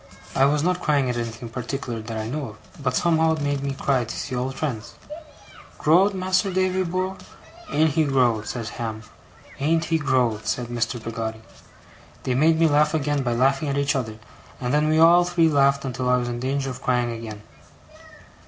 I was not crying at anything in particular that I know of; but somehow it made me cry, to see old friends. 'Growed, Mas'r Davy bor'? Ain't he growed!' said Ham. 'Ain't he growed!' said Mr. Peggotty. They made me laugh again by laughing at each other, and then we all three laughed until I was in danger of crying again.